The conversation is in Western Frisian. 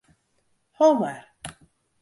Ho mar.